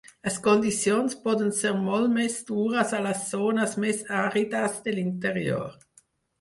Les condicions poden ser molt més dures a les zones més àrides de l'interior.